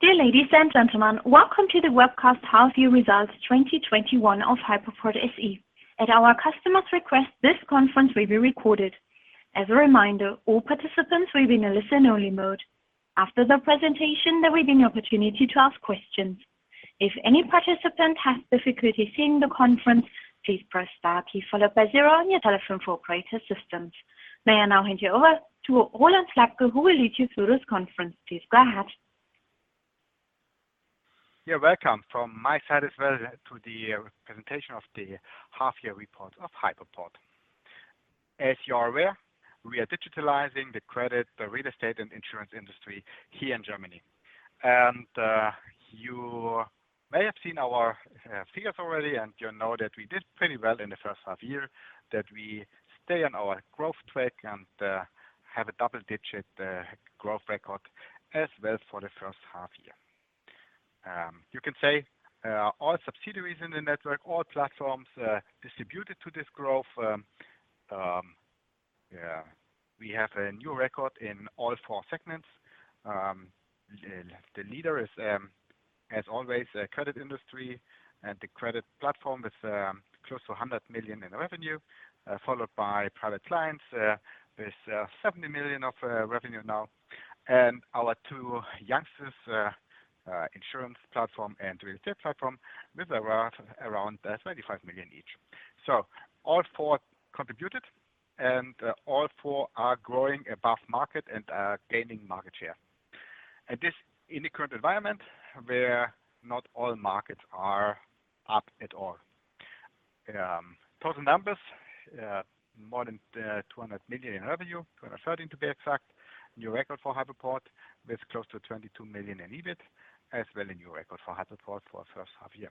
Dear ladies and gentlemen, welcome to the webcast half-year Results 2021 of Hypoport SE. At our customers' request, this conference will be recorded. As a reminder, all participants will be in a listen-only mode. After the presentation, there will be an opportunity to ask questions. If any participant has difficulty seeing the conference, please press star key followed by zero on your telephone for operator assistance. May I now hand you over to Ronald Slabke, who will lead you through this conference. Please go ahead. Yeah, welcome from my side as well to the presentation of the half-year report of Hypoport. As you are aware, we are digitalizing the credit, the real estate, and insurance industry here in Germany. And you may have seen our figures already, and you know that we did pretty well in the first half year, that we stay on our growth track and have a double-digit growth record as well for the first half year. You can say all subsidiaries in the network, all platforms distributed to this growth. We have a new record in all four segments. The leader is, as always, credit industry and the credit platform with close to 100 million in revenue, followed by private clients with 70 million of revenue now. Our two youngsters, insurance platform and real estate platform, with around 25 million each. So, all four contributed and all four are growing above market and are gaining market share. This in the current environment where not all markets are up at all. Total numbers more than 200 million in revenue, 213 million to be exact. New record for Hypoport SE with close to 22 million in EBIT, as well a new record for Hypoport SE for first half-year.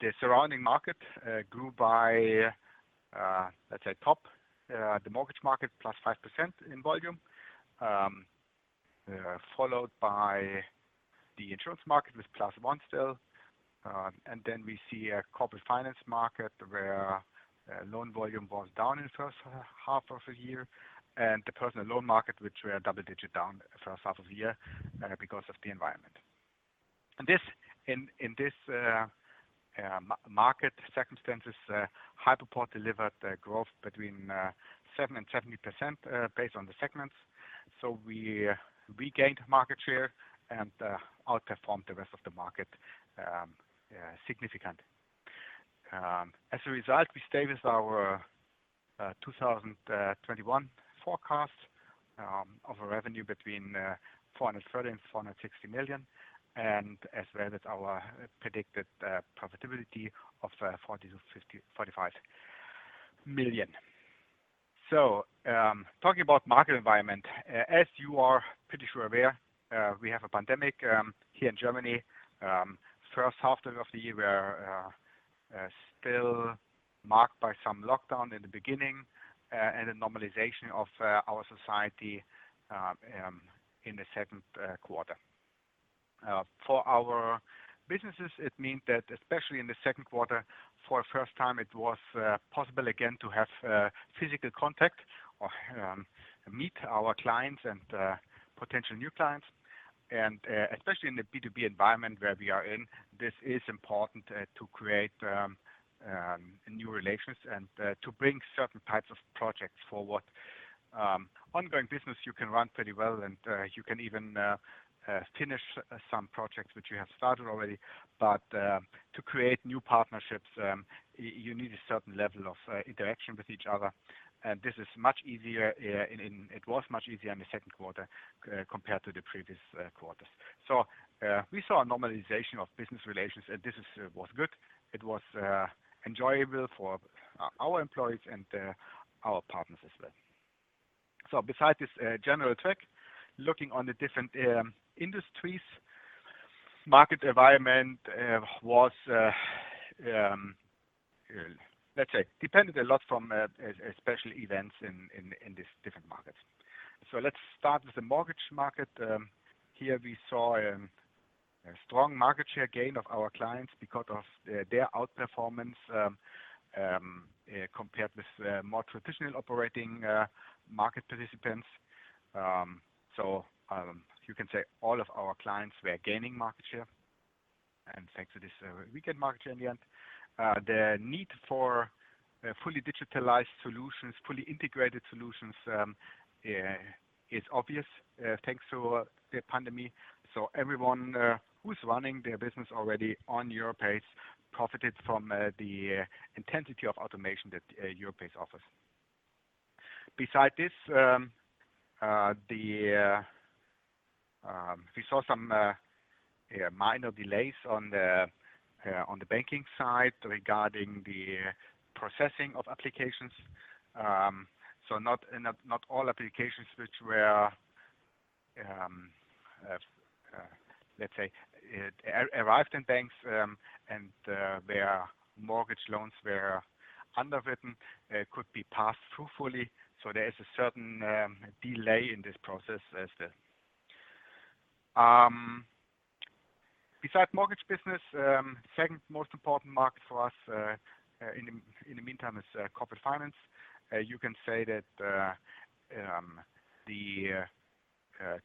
The surrounding market grew by, let's say, top. The mortgage market, +5% in volume, followed by the insurance market with +1% still. Then, we see a corporate finance market where loan volume was down in the first half of the year, and the personal loan market, which were double-digit down first half-year because of the environment. In this market circumstances, Hypoport delivered growth between 7%-17% based on the segments. So, we regained market share and outperformed the rest of the market significantly. As a result, we stay with our 2021 forecast of a revenue between 413 million and 460 million, and as well with our predicted profitability of 40 million to 45 million. So, talking about market environment, as you are pretty sure aware, we have a pandemic here in Germany. First half of the year was still marked by some lockdown in the beginning and a normalization of our society in the second quarter. For our businesses, it means that especially in the second quarter, for the first time, it was possible again to have physical contact or meet our clients and potential new clients. Especially in the B2B environment where we are in, this is important to create new relations and to bring certain types of projects forward. Ongoing business, you can run pretty well and you can even finish some projects which you have started already. But to create new partnerships you need a certain level of interaction with each other. And this is much easier, it was much easier in the second quarter compared to the previous quarters. So, we saw a normalization of business relations, and this was good. It was enjoyable for our employees and our partners as well. Besides this general track, looking on the different industries, market environment, it was a, let's say, depended a lot from special events in these different markets. Let's start with the mortgage market. Here we saw a strong market share gain of our clients because of their outperformance compared with more traditional operating market participants. So, you can say all of our clients were gaining market share. Thanks to this, we gained market share in the end. The need for fully digitalized solutions, fully integrated solutions is obvious thanks to the pandemic. Everyone who's running their business already on Europace profited from the intensity of automation that Europace offers. Besides this, we saw some minor delays on the banking side regarding the processing of applications. So, not all applications which were, let's say, arrived in banks and their mortgage loans were underwritten could be passed through fully. There is a certain delay in this process as well. Besides mortgage business, second most important market for us in the meantime is corporate finance. You can say that the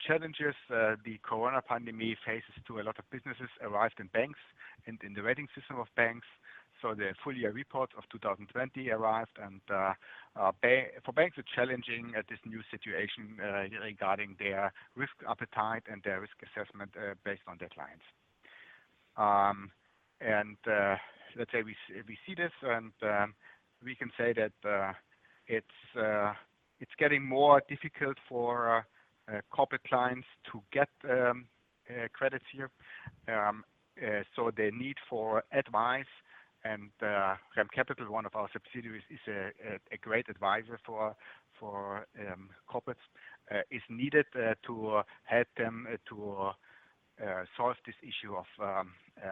challenges the COVID pandemic faces to a lot of businesses arrived in banks and in the rating system of banks. The full year report of 2020 arrived, and for banks, it's challenging at this new situation regarding their risk appetite and their risk assessment based on their clients. Let's say we see this, and we can say that it's getting more difficult for corporate clients to get credits here. The need for advice and REM Capital, one of our subsidiaries, is a great advisor for corporates. It's needed to help them to solve this issue of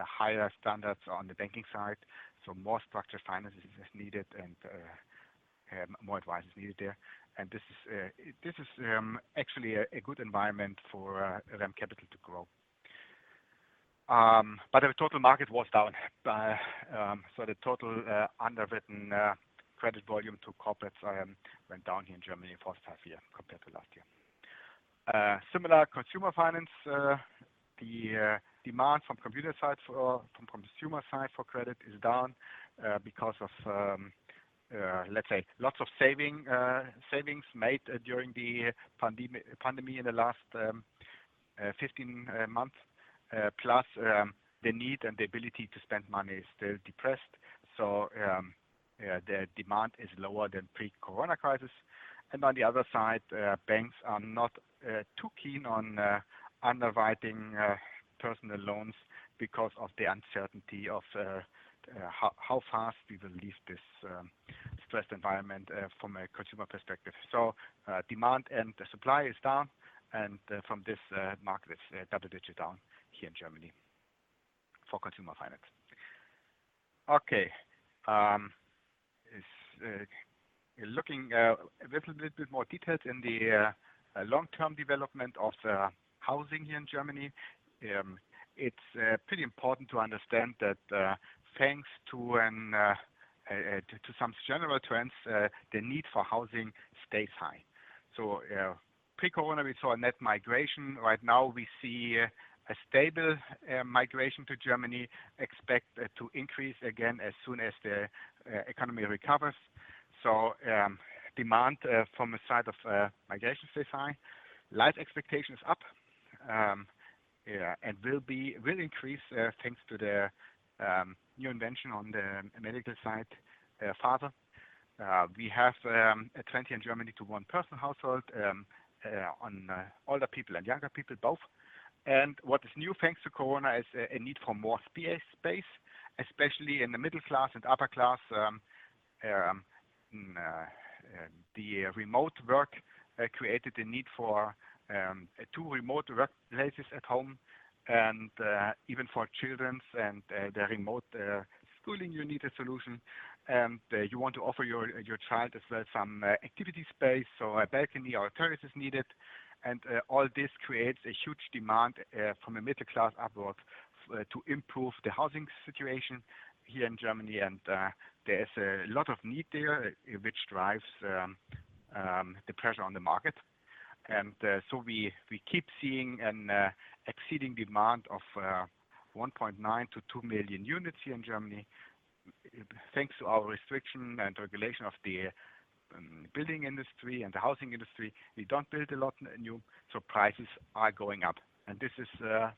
higher standards on the banking side. So more structured finance is needed, and more advice is needed there. This is actually a good environment for REM Capital to grow. The total market was down. The total underwritten credit volume to corporates went down here in Germany first half year compared to last year. Similar consumer finance, the demand from consumer side for credit is down because of, let's say, lots of savings made during the pandemic in the last 15 months, plus the need and the ability to spend money is still depressed. The demand is lower than pre-corona crisis. On the other side, banks are not too keen on underwriting personal loans because of the uncertainty of how fast we will leave this stressed environment from a consumer perspective. Demand and the supply is down, and from this market, it's double digit down here in Germany for consumer finance. Okay. Looking a little bit more detailed in the long-term development of the housing here in Germany, it's pretty important to understand that thanks to some general trends, the need for housing stays high. Pre-COVID, we saw a net migration. Right now, we see a stable migration to Germany, expect to increase again as soon as the economy recovers. Demand from the side of migration stays high. Life expectation is up, and will increase thanks to the new invention on the medical side, FADR. We have a trend here in Germany to one person household on older people and younger people both. And what is new, thanks to COVID, is a need for more space, especially in the middle class and upper class. The remote work created a need for two remote work places at home, and even for children and the remote schooling, you need a solution. You want to offer your child as well some activity space, so a balcony or a terrace is needed. All this creates a huge demand from a middle class upward to improve the housing situation here in Germany. There's a lot of need there, which drives the pressure on the market. We keep seeing an exceeding demand of 1.9 million-2 million units here in Germany. Thanks to our restriction and regulation of the building industry and the housing industry, we don't build a lot new, so prices are going up. This is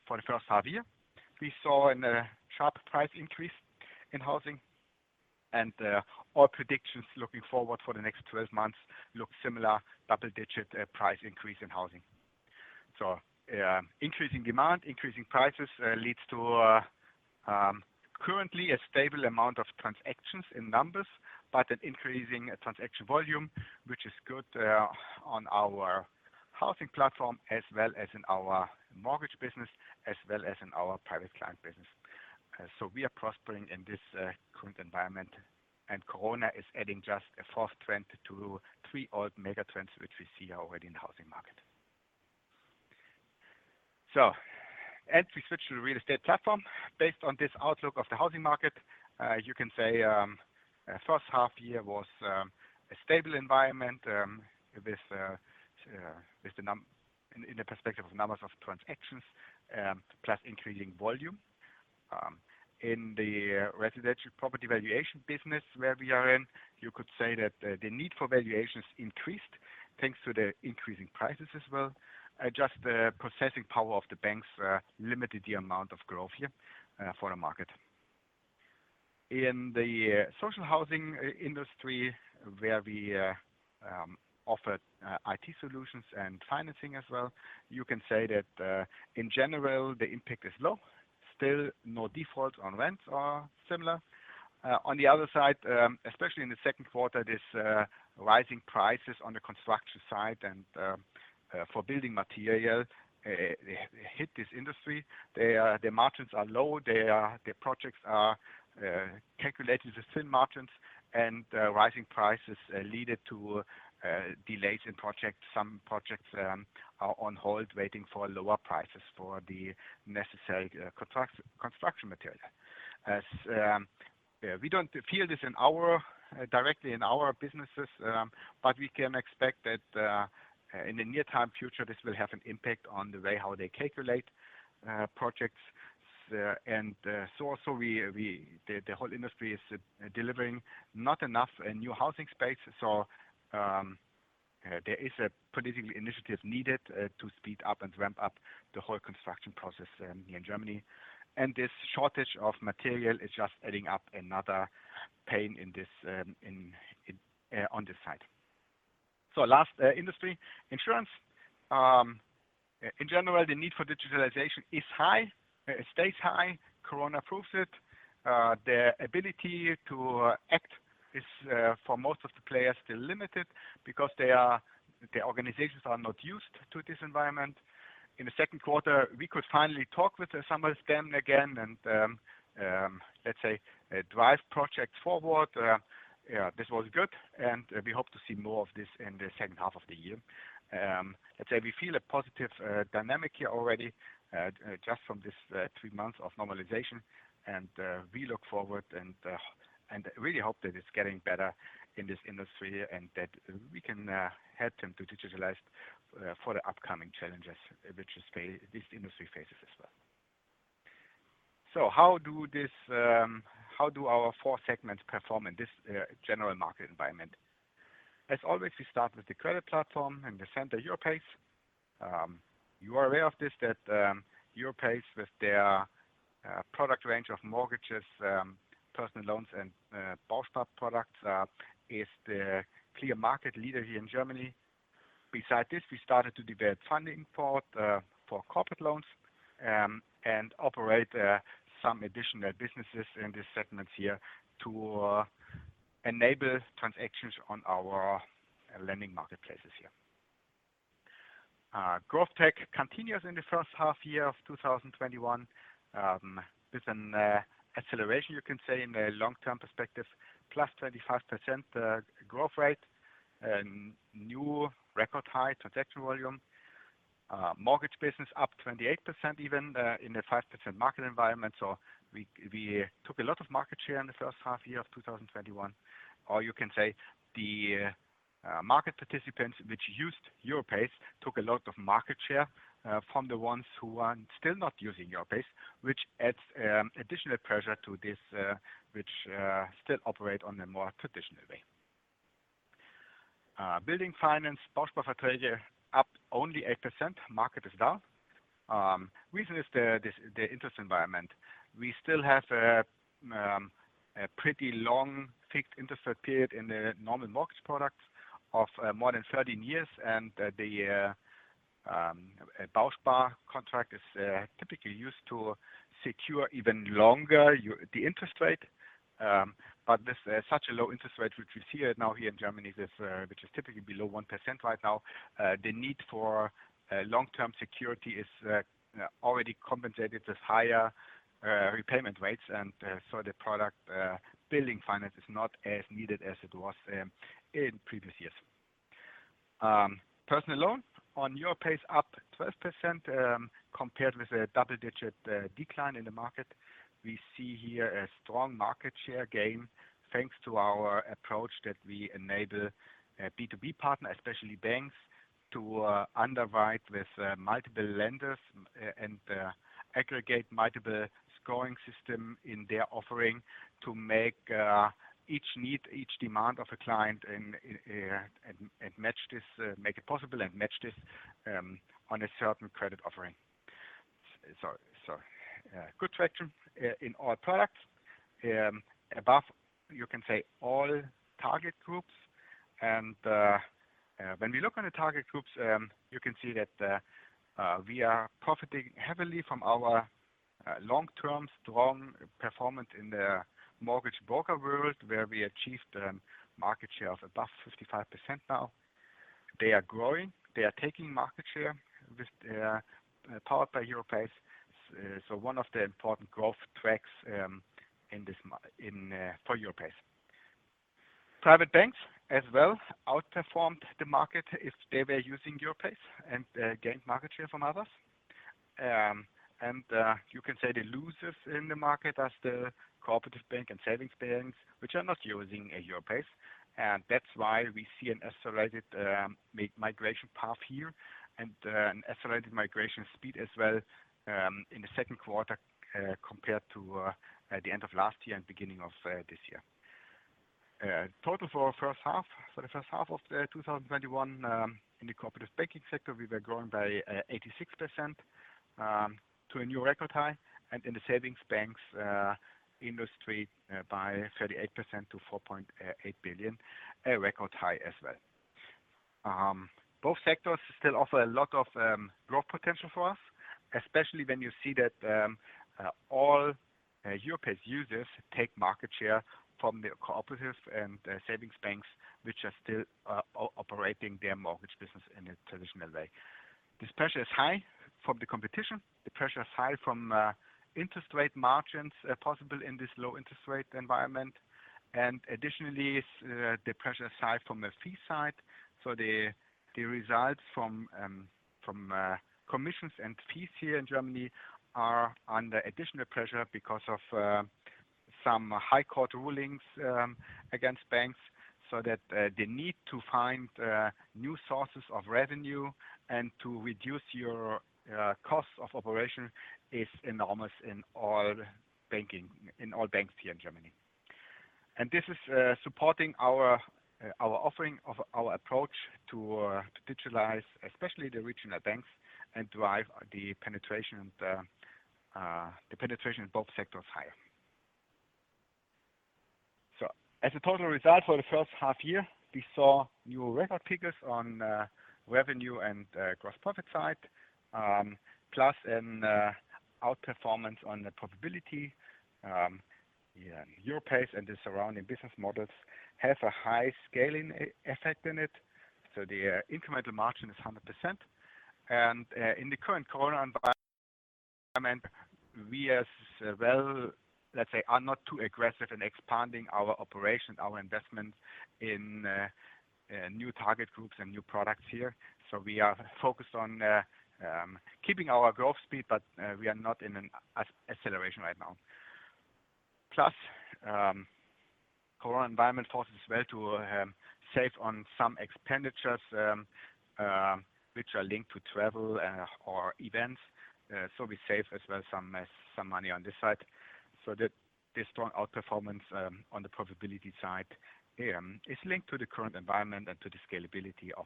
for the first half year. We saw a sharp price increase in housing. All predictions looking forward for the next 12 months look similar, double-digit price increase in housing. So, increasing demand, increasing prices leads to currently a stable amount of transactions in numbers, but an increasing transaction volume, which is good on our housing platform as well as in our mortgage business, as well as in our private client business. So we are prospering in this current environment, and COVID is adding just a fourth trend to three old mega trends, which we see already in the housing market. As we switch to the real estate platform, based on this outlook of the housing market, you can say first half year was a stable environment in the perspective of numbers of transactions, plus increasing volume. In the residential property valuation business where we are in, you could say that the need for valuations increased thanks to the increasing prices as well. Just the processing power of the banks limited the amount of growth here for the market. In the social housing industry, where we offer IT solutions and financing as well, you can say that in general, the impact is low. Still no default on rents or similar. On the other side, especially in the second quarter, this rising prices on the construction side and for building material hit this industry. Their margins are low. Their projects are calculated to thin margins, and rising prices lead to delays in projects. Some projects are on hold waiting for lower prices for the necessary construction material. As we don't feel this directly in our businesses, but we can expect that in the near time future, this will have an impact on the way how they calculate projects. Also the whole industry is delivering not enough new housing space. There is a political initiative needed to speed up and ramp up the whole construction process here in Germany. And this shortage of material is just adding up another pain on this side. Last industry, insurance. In general, the need for digitalization is high, stays high. Corona proves it. The ability to act is, for most of the players, still limited because the organizations are not used to this environment. In the second quarter, we could finally talk with some of them again and, let's say, drive projects forward. This was good. We hope to see more of this in the second half of the year. We feel a positive dynamic here already, just from these three months of normalization. We look forward and really hope that it's getting better in this industry and that we can help them to digitalize for the upcoming challenges which this industry faces as well. How do our four segments perform in this general market environment? As always, we start with the credit platform. In the center, Europace. You are aware of this, that Europace, with their product range of mortgages, personal loans, and Bauspar products, is the clear market leader here in Germany. Beside this, we started to develop funding for corporate loans, and operate some additional businesses in these segments here to enable transactions on our lending marketplaces here. GrowthTech continues in the first half year of 2021, with an acceleration, you can say, in the long-term perspective, +25% growth rate. And new record high transaction volume. Mortgage business up 28%, even in a 5% market environment. We took a lot of market share in the first half year of 2021, or you can say the market participants which used Europace took a lot of market share from the ones who are still not using Europace. This adds additional pressure to this, which still operate on a more traditional way. Building finance, Bausparverträge, up only 8%. Market is down. Reason is the interest environment. We still have a pretty long fixed interest period in the normal mortgage products of more than 13 years. The Bauspar contract is typically used to secure even longer the interest rate. With such a low interest rate, which we see now here in Germany, which is typically below 1% right now, the need for long-term security is already compensated with higher repayment rates. And for the product building finance is not as needed as it was in previous years. Personal loan on Europace up 12%, compared with a double-digit decline in the market. We see here a strong market share gain thanks to our approach that we enable B2B partners, especially banks, to underwrite with multiple lenders and aggregate multiple scoring system in their offering to make each need, each demand of a client and make it possible and match this on a certain credit offering. Good traction in all products. Above, you can say all target groups. When we look at the target groups, you can see that we are profiting heavily from our long-term strong performance in the mortgage broker world, where we achieved a market share of above 55% now. They are growing. They are taking market share with powered by Europace. One of the important growth tracks for Europace. Private banks as well outperformed the market if they were using Europace and gained market share from others. And you can say the losers in the market as the cooperative bank and savings banks, which are not using Europace. That's why we see an accelerated migration path here and an accelerated migration speed as well in the second quarter compared to the end of last year and beginning of this year. Total for the first half of 2021, in the cooperative banking sector, we were growing by 86% to a new record high, and in the savings banks industry by 38% to 4.8 billion, a record high as well. Both sectors still offer a lot of growth potential for us, especially when you see that all Europace users take market share from the cooperatives and savings banks which are still operating their mortgage business in a traditional way. This pressure is high from the competition. The pressure is high from interest rate margins possible in this low interest rate environment. Additionally, the pressure side from the fee side. The results from commissions and fees here in Germany are under additional pressure because of some high court rulings against banks, so that the need to find new sources of revenue and to reduce your costs of operation is enormous in all banks here in Germany. This is supporting our offering of our approach to digitalize, especially the regional banks, and drive the penetration in both sectors higher. So, as a total result for the first half year, we saw new record figures on revenue and gross profit side, plus an outperformance on the profitability. Europace and the surrounding business models have a high scaling effect in it, so the incremental margin is 100%. In the current Corona environment, we as well, let's say, are not too aggressive in expanding our operations, our investments in new target groups and new products here. We are focused on keeping our growth speed, but we are not in an acceleration right now. Corona environment forces as well to save on some expenditures which are linked to travel or events. We save as well some money on this side, so that the strong outperformance on the profitability side is linked to the current environment and to the scalability of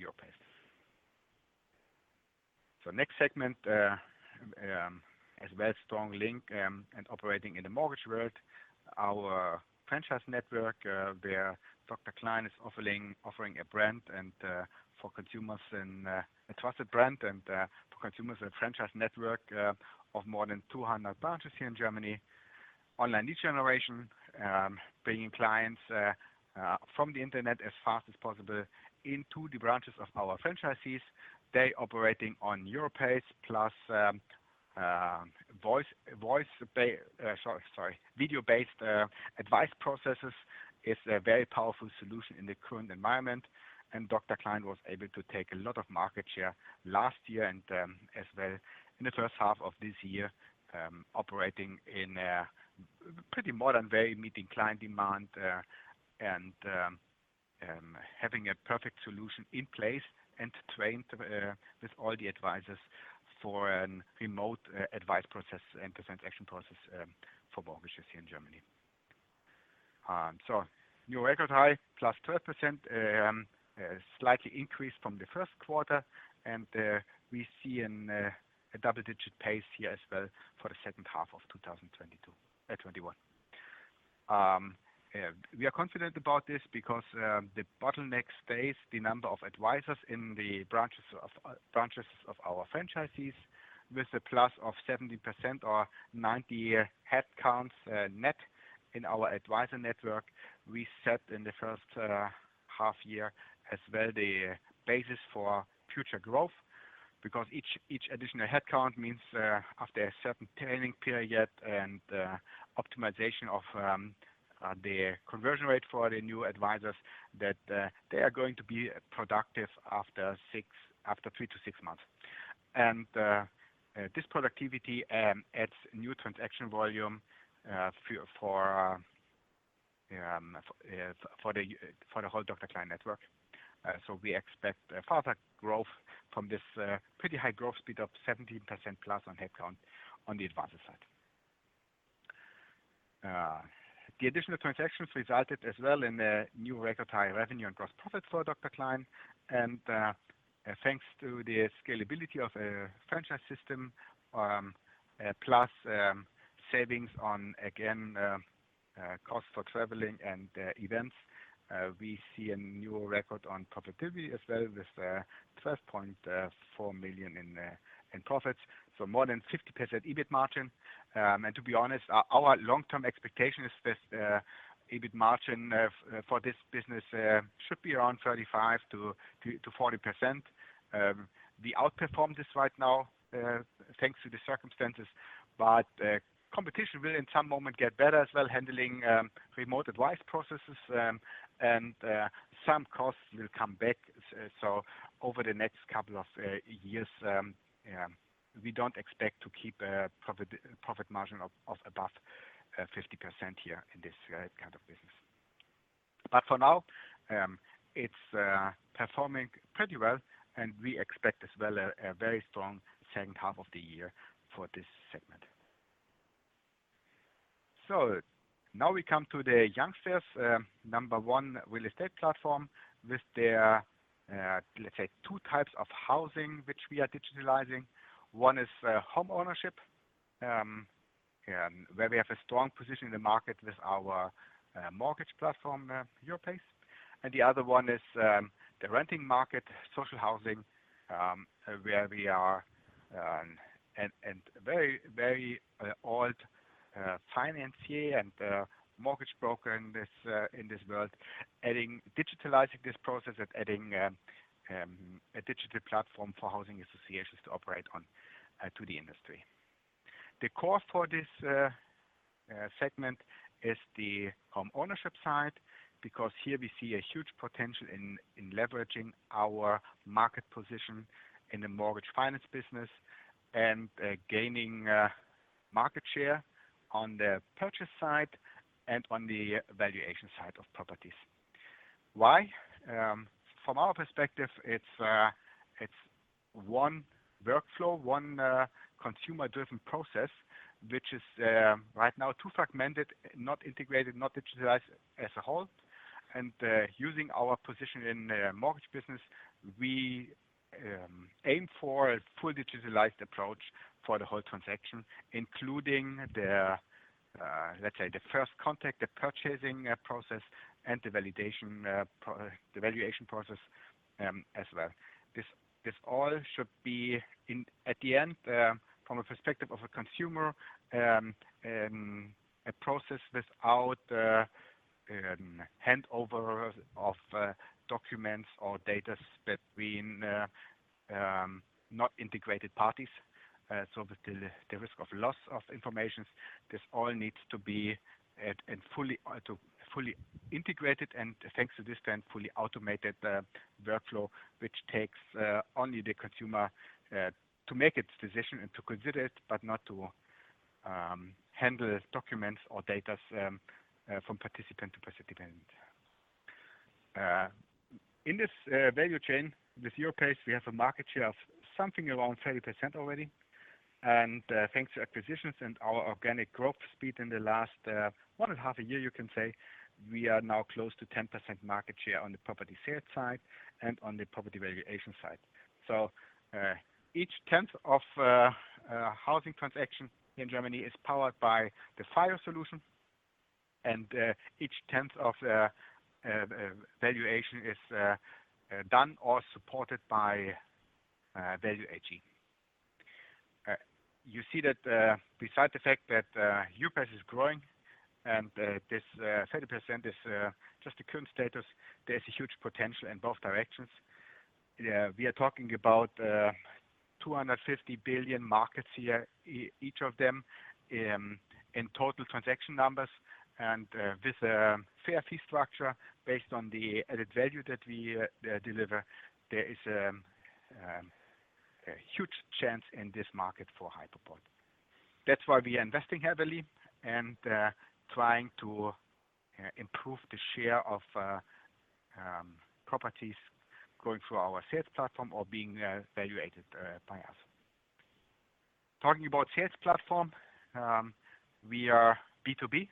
Europace. Next segment, as well, strong link and operating in the mortgage world. Our franchise network, where Dr. Klein is offering a trusted brand and for consumers, a franchise network of more than 200 branches here in Germany. Online lead generation, bringing clients from the internet as fast as possible into the branches of our franchisees. They operating on Europace plus video-based advice processes is a very powerful solution in the current environment. Dr. Klein was able to take a lot of market share last year and as well in the first half of this year, operating in a pretty modern way, meeting client demand, and having a perfect solution in place, and trained with all the advisors for an remote advice process and transaction process for mortgages here in Germany. So, new record high, +12%, slightly increased from the first quarter. We see a double-digit pace here as well for the second half of 2021. We are confident about this because the bottleneck stays the number of advisors in the branches of our franchisees. With a plus of 17% or 90 headcounts net in our advisor network, we set in the first half year as well the basis for future growth. Each additional headcount means, after a certain training period and optimization of the conversion rate for the new advisors, that they are going to be productive after three months to six months. This productivity adds new transaction volume for the whole Dr. Klein network. We expect further growth from this pretty high growth speed of 17% plus on headcount on the advisor side. The additional transactions resulted as well in a new record high revenue and gross profit for Dr. Klein. Thanks to the scalability of franchise system, plus savings on, again, costs for traveling and events, we see a new record on profitability as well with 12.4 million in profits. More than 50% EBIT margin. To be honest, our long-term expectation is this EBIT margin for this business should be around 35%-40%. We outperform this right now thanks to the circumstances, but competition will, in some moment, get better as well, handling remote advice processes, and some costs will come back. Over the next couple of years, we don't expect to keep a profit margin of above 50% here in this kind of business. But for now, it's performing pretty well, and we expect as well a very strong second half of the year for this segment. Now we come to the youngsters. Number one real estate platform with their, let's say, two types of housing, which we are digitalizing. One is homeownership, where we have a strong position in the market with our mortgage platform, Europace. The other one is the renting market, social housing, where we are a very, very old financier and mortgage broker and in this world, digitalizing this process and adding a digital platform for housing associations to operate on to the industry. The core for this segment is the home ownership side, because here we see a huge potential in leveraging our market position in the mortgage finance business and gaining market share on the purchase side and on the valuation side of properties. Why? From our perspective, it's one workflow, one consumer-driven process, which is right now too fragmented, not integrated, not digitalized as a whole. Using our position in mortgage business, we aim for a full digitalized approach for the whole transaction, including the, let's say, the first contact, the purchasing process, and the valuation process as well. This all should be in, at the end, from a perspective of a consumer, a process without handover of documents or data between not integrated parties. The risk of loss of information, this all needs to be at a fully integrated and, thanks to this then, fully automated workflow, which takes only the consumer to make its decision and to consider it, but not to handle documents or data from participant to participant. In this value chain, with Europace, we have a market share of something around 30% already. Thanks to acquisitions and our organic growth speed in the last one and half a year, you can say, we are now close to 10% market share on the property sales side and on the property valuation side. So, each 10th of housing transaction in Germany is powered by the FIO solution, and each 10th of valuation is done or supported by Value AG. You see that besides the fact that Europace is growing and this 30% is just the current status, there's a huge potential in both directions. We are talking about 250 billion markets here, each of them in total transaction numbers. With a fair fee structure based on the added value that we deliver, there is a huge chance in this market for Hypoport. That's why we are investing heavily and trying to improve the share of properties going through our sales platform or being valuated by us. Talking about sales platform, we are B2B.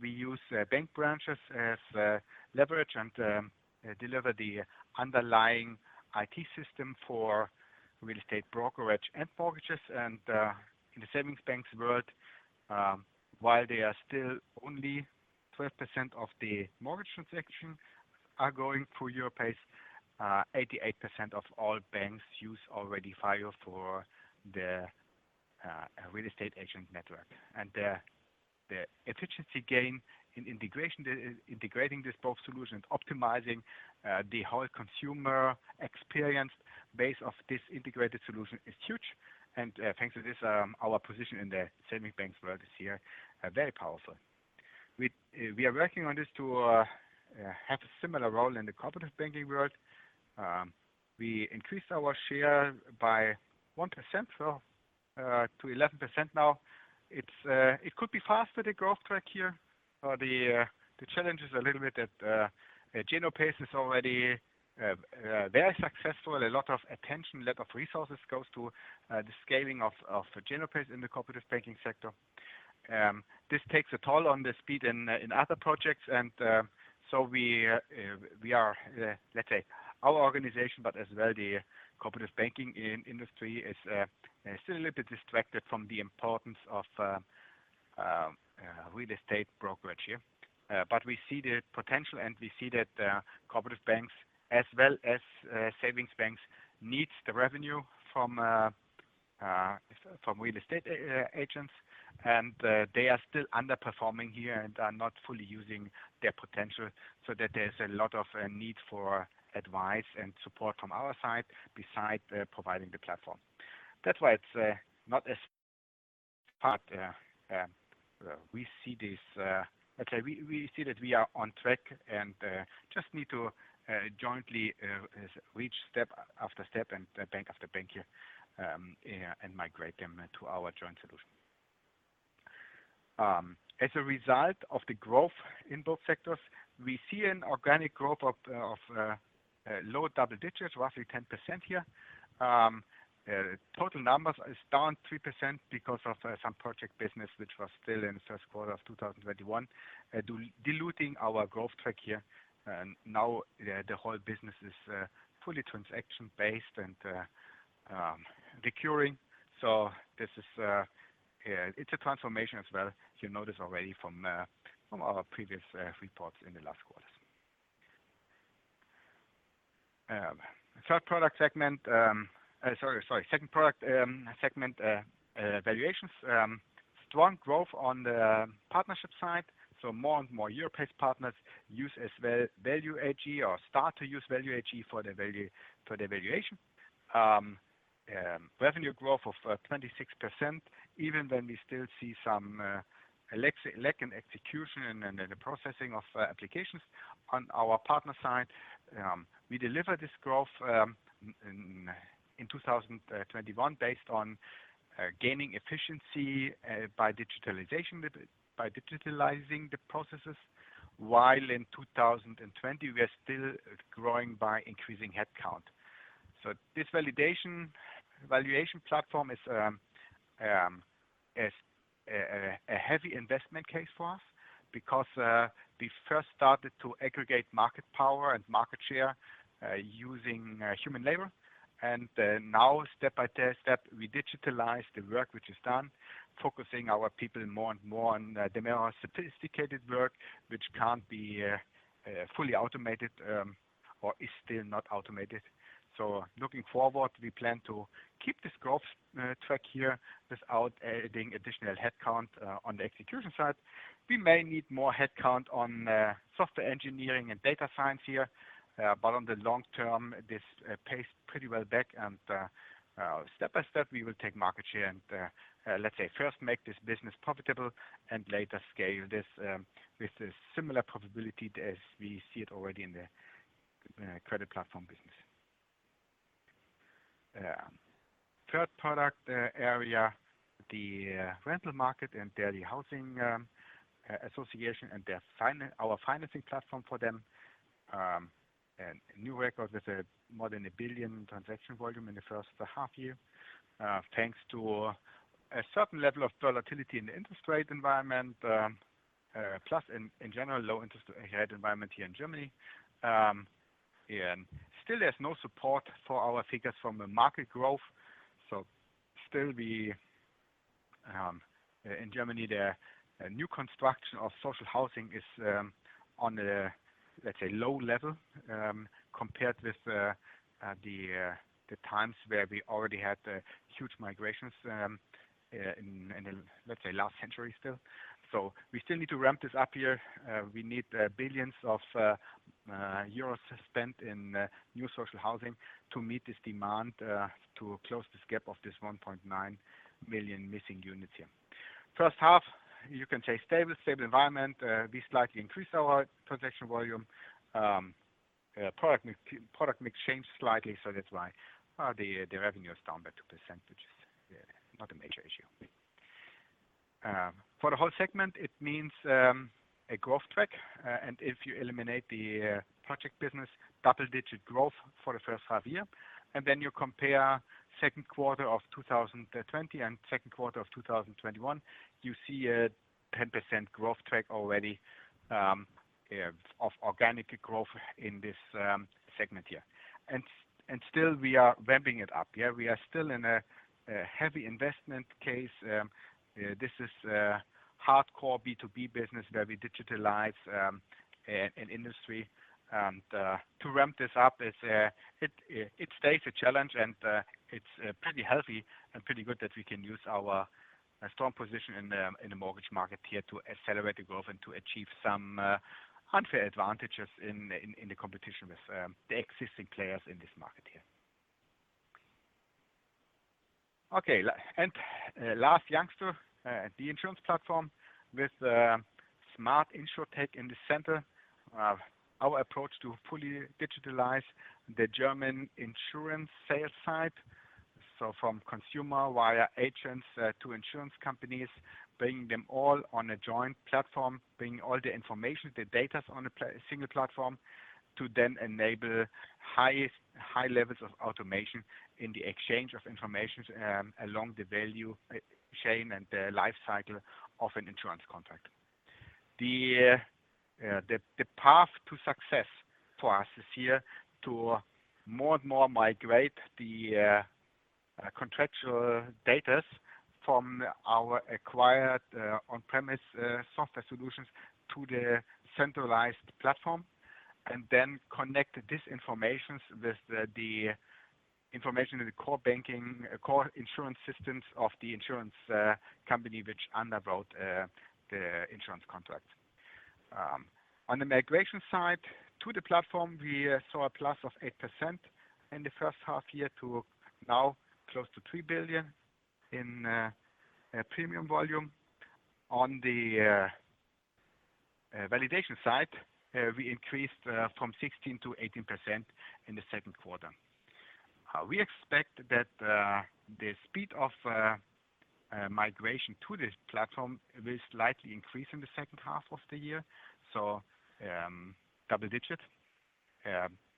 We use bank branches as leverage and deliver the underlying IT system for real estate brokerage and mortgages. In the savings banks world, while they are still only 12% of the mortgage transaction are going through Europace, 88% of all banks use already FIO for their real estate agent network. The efficiency gain in integrating these both solutions, optimizing the whole consumer experience base of this integrated solution is huge, and thanks to this, our position in the savings banks world is here very powerful. We are working on this to have a similar role in the cooperative banking world. We increased our share by 1% to 11% now. It could be faster, the growth track here. The challenge is a little bit that Genopace is already very successful. A lot of attention, a lot of resources goes to the scaling of Genopace in the cooperative banking sector. This takes a toll on the speed in other projects, and so we are, let's say, our organization, but as well, the cooperative banking industry is still a little bit distracted from the importance of real estate brokerage here. But we see the potential, and we see that cooperative banks as well as savings banks need the revenue from real estate agents, and they are still underperforming here and are not fully using their potential, so that there's a lot of need for advice and support from our side besides providing the platform. That's why it's not as hard. We see that we are on track and just need to jointly reach step after step and bank after bank here and migrate them to our joint solution. As a result of the growth in both sectors, we see an organic growth of low double digits, roughly 10% here. Total numbers is down 3% because of some project business, which was still in the first quarter of 2021, diluting our growth track here. Now the whole business is fully transaction based and recurring. So, it's a transformation as well. You know this already from our previous reports. Second product segment, valuations. Strong growth on the partnership side. More and more Europace partners use Value AG or start to use Value AG for their valuation. Revenue growth of 26%, even when we still see some lack in execution and in the processing of applications on our partner side. We deliver this growth in 2021 based on gaining efficiency by digitalizing the processes. While in 2020, we are still growing by increasing headcount. This valuation platform is a heavy investment case for us because we first started to aggregate market power and market share using human labor. Now step-by-step, we digitalize the work which is done, focusing our people more and more on the more sophisticated work, which can't be fully automated or is still not automated. So, looking forward, we plan to keep this growth track here without adding additional headcount on the execution side. We may need more headcount on software engineering and data science here. On the long term, this pays pretty well back. Step-by-step, we will take market share and, let's say, first make this business profitable and later scale this with a similar profitability as we see it already in the credit platform business. Third product area, the rental market and the housing association and our financing platform for them. New record with more than 1 billion transaction volume in the first half-year. Thanks to a certain level of volatility in the interest rate environment, plus, in general, low interest rate environment here in Germany. There's no support for our figures from the market growth. Still in Germany, the new construction of social housing is on the low level compared with the times where we already had the huge migrations in last century. We still need to ramp this up here. We need billions of EUR spent in new social housing to meet this demand to close this gap of this 1.9 million missing units here. First half-year, stable environment. We slightly increased our transaction volume. Product mix changed slightly, so that's why the revenue is down by 2%, which is not a major issue. For the whole segment, it means a growth track. If you eliminate the project business, double-digit growth for the first half year. Then, you compare second quarter of 2020 and second quarter of 2021, you see a 10% growth track already of organic growth in this segment here. Still we are ramping it up. We are still in a heavy investment case. This is hardcore B2B business where we digitalize an industry. To ramp this up, it stays a challenge and it's pretty healthy and pretty good that we can use our strong position in the mortgage market here to accelerate the growth and to achieve some unfair advantages in the competition with the existing players in this market here. Okay. Last youngster, the insurance platform with Smart InsurTech in the center. Our approach to fully digitalize the German insurance sales side. From consumer via agents to insurance companies, bringing them all on a joint platform, bringing all the information, the data on a single platform to then enable high levels of automation in the exchange of information along the value chain and the life cycle of an insurance contract. The path to success for us is here to more and more migrate the contractual data from our acquired on-premise software solutions to the centralized platform, and then connect this information with the information in the core insurance systems of the insurance company which underwrote the insurance contract. On the migration side to the platform, we saw a plus of 8% in the first half year to now close to 3 billion in premium volume. On the validation side, we increased from 16%-18% in the second quarter. We expect that the speed of migration to this platform will slightly increase in the second half of the year, so double-digit.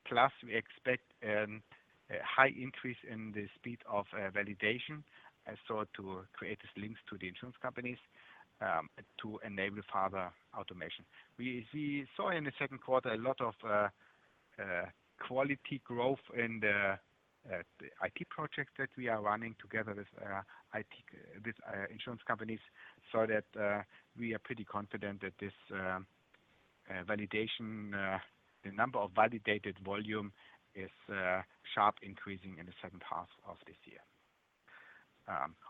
Plus, we expect a high increase in the speed of validation as so to create these links to the insurance companies to enable further automation. We saw in the second quarter a lot of quality growth in the IT projects that we are running together with insurance companies, so that we are pretty confident that the number of validated volume is sharply increasing in the second half of this year.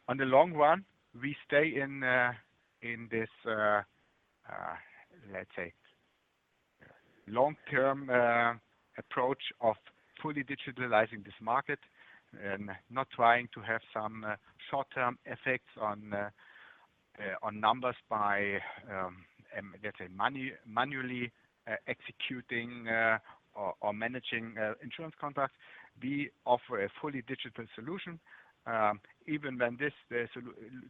On the long run, we stay in this, let's say, long-term approach of fully digitalizing this market and not trying to have some short-term effects on numbers by, let's say, manually executing or managing insurance contracts. We offer a fully digital solution, even when this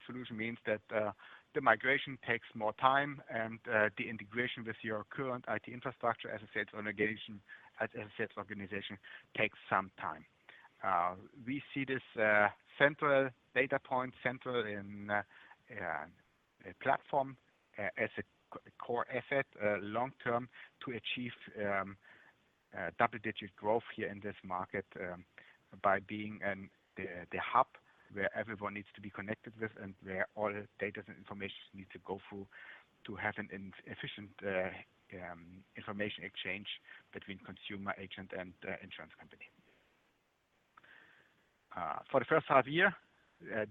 solution means that the migration takes more time and the integration with your current IT infrastructure, as I said, organization takes some time. We see this central data point, central in a platform as a core asset long-term to achieve double-digit growth here in this market by being the hub where everyone needs to be connected with and where all data and information need to go through to have an efficient information exchange between consumer, agent, and insurance company. For the first half year,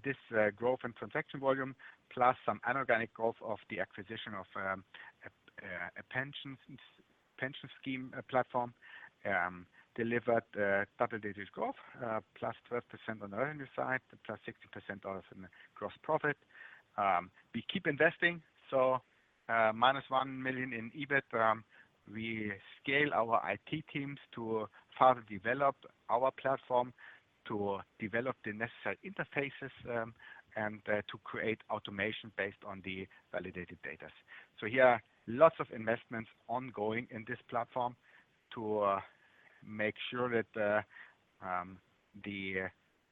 this growth and transaction volume, plus some inorganic growth of the acquisition of a pension scheme platform, delivered double-digit growth. 12% on the revenue side, plus 16% on gross profit. We keep investing, so minus 1 million in EBIT. We scale our IT teams to further develop our platform, to develop the necessary interfaces, and to create automation based on the validated data. So here, lots of investments ongoing in this platform to make sure that the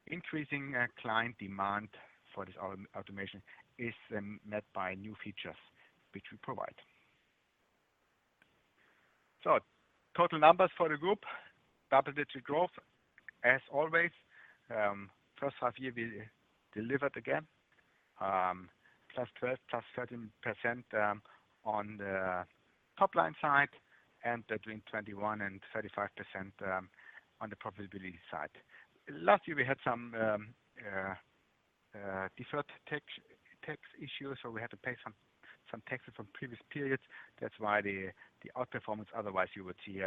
increasing client demand for this automation is met by new features which we provide. Total numbers for the group. Double-digit growth, as always. First half year, we delivered again, +12%, +13% on the top-line side, and between 21% and 35% on the profitability side. Last year, we had some deferred tax issues. We had to pay some taxes from previous periods. That's why the outperformance, otherwise you would see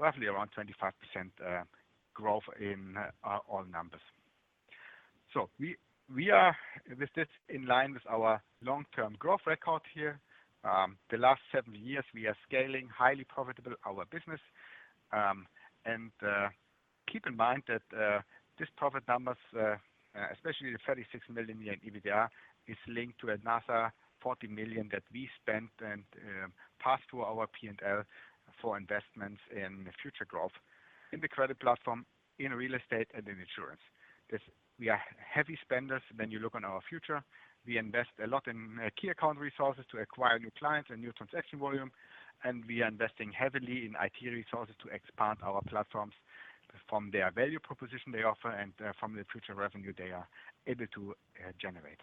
roughly around 25% growth in all numbers. So, we are still in line with our long-term growth record here. The last seven years, we are scaling, highly profitable, our business. Keep in mind that these profit numbers, especially the 36 million in EBITDA, is linked to another 40 million that we spent and passed to our P&L for investments in future growth in the credit platform, in real estate, and in insurance. We are heavy spenders when you look on our future. We invest a lot in key account resources to acquire new clients and new transaction volume, and we are investing heavily in IT resources to expand our platforms from their value proposition they offer and from the future revenue they are able to generate.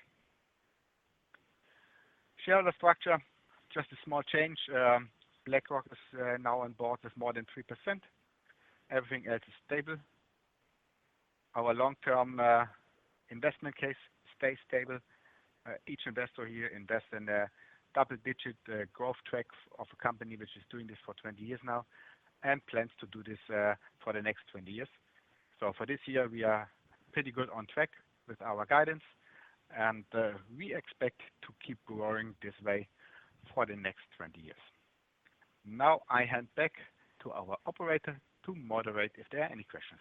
Shareholder structure, just a small change. BlackRock is now on board with more than 3%. Everything else is stable. Our long-term investment case stays stable. Each investor here invests in a double-digit growth track of a company which is doing this for 20 years now and plans to do this for the next 20 years. So for this year, we are pretty good on track with our guidance, and we expect to keep growing this way for the next 20 years. Now, I hand back to our operator to moderate if there are any questions.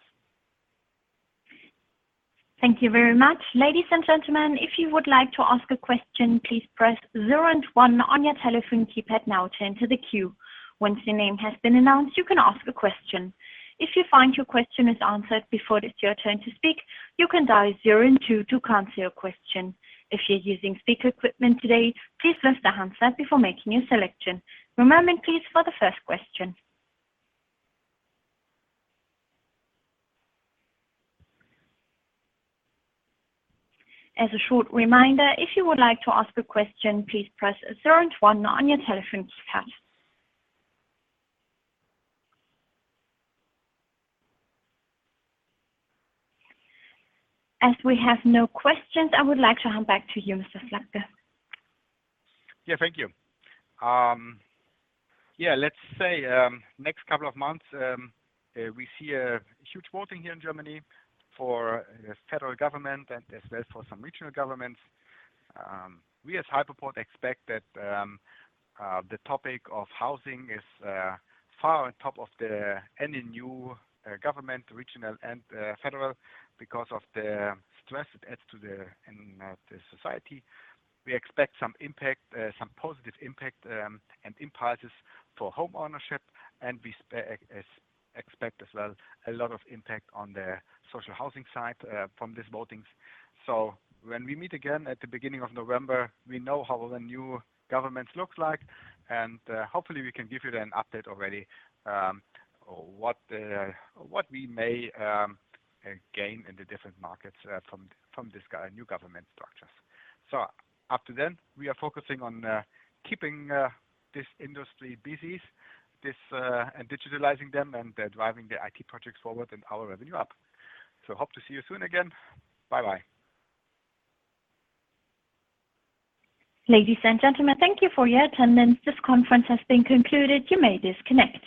Thank you very much. Ladies and gentlemen, if you would like to ask a question please press zero and one on your telephone keypad now turn to the queue. Once you name has been announced you can ask a question. If you find your question is answered before it's you turn to speak, you can dial zero and two to cancel your question. If you are using speaker equipment today please wear the handset before making a selection. As we have no questions, I would like to hand back to you, Mr. Slabke. Yeah, thank you. Let's say, next couple of months, we see a huge voting here in Germany for the federal government and as well for some regional governments. We, as Hypoport, expect that the topic of housing is far on top of any new government, regional and federal, because of the stress it adds to the society. We expect some positive impact and impulses for homeownership, and we expect as well a lot of impact on the social housing side from these votings. So, when we meet again at the beginning of November, we know how the new government looks like, and hopefully we can give you then update already what we may gain in the different markets from these new government structures. Up to then, we are focusing on keeping this industry busy and digitalizing them and driving the IT projects forward and our revenue up. Hope to see you soon again. Bye-bye. Ladies and gentlemen, thank you for your attendance. This conference has been concluded. You may disconnect.